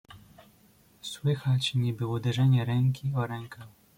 "Słychać niby uderzenie ręki o rękę."